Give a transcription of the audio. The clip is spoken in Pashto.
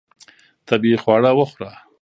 طبیعي خواړه وخوره.